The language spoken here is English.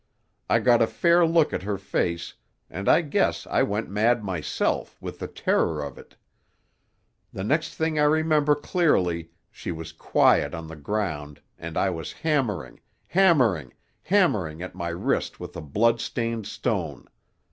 I got a fair look at her face, and I guess I went mad myself, with the terror of it. The next thing I remember clearly she was quiet on the ground and I was hammering, hammering, hammering at my wrist with a blood stained stone.